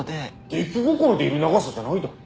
出来心でいる長さじゃないだろ。